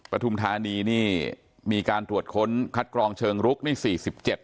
ปฐุมธานีนี่มีการตรวจค้นคัดกรองเชิงรุกนี่๔๗